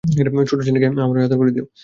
ছোট্ট জেনিকে আমার হয়ে আদর করে দিও।